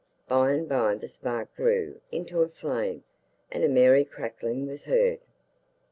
By and by the spark grew into a flame, and a merry crackling was heard.